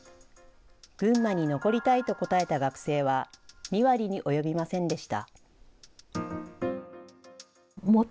群馬に残りたいと答えた学生は２割に及びませんでした。